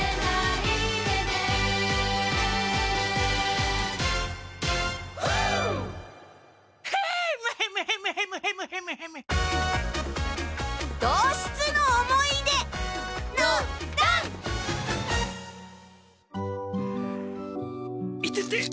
いてて。